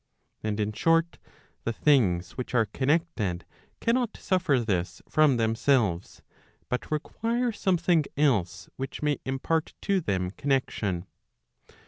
And in short,' the things which are connected, cannot suffer this from themselves, but require something else which may impart to them connexion.